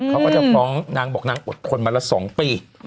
เขาก็จะฟ้องนางบอกนางอดทนมาละ๒ปี